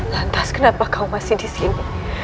lantas kenapa kau masih disini